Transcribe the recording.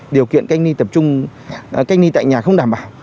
điều kiện cách ly tại nhà không đảm bảo